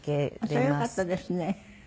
それはよかったですね。